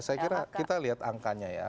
saya kira kita lihat angkanya ya